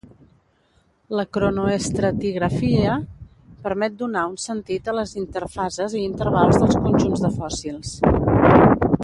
La cronoestratigrafia permet donar un sentit a les interfases i intervals dels conjunts de fòssils.